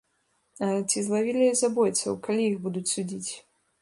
А ці злавілі забойцаў, калі іх будуць судзіць?